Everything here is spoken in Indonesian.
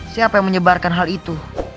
siapa yang menyebarkan hal itu